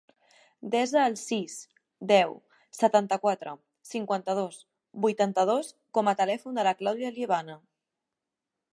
Desa el sis, deu, setanta-quatre, cinquanta-dos, vuitanta-dos com a telèfon de la Clàudia Liebana.